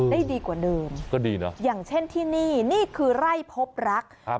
ได้ดีกว่าเดิมก็ดีเนอะอย่างเช่นที่นี่นี่คือไร่พบรักครับ